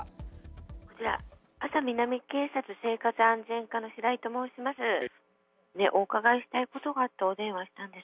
こちら、安佐南警察生活安全課のシライと申します。